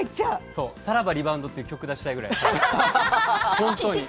「さらばリバウンド」という曲を出したいくらい。